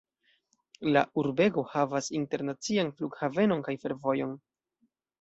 La urbego havas internacian flughavenon kaj fervojon.